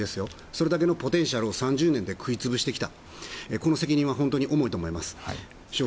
それだけのポテンシャルを３０年で食いつぶしてきた責任は重いと思います。